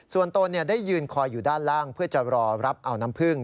ส่วนตนได้ยืนคอยอยู่ด้านล่างเพื่อจะรอรับเอาน้ำผึ้ง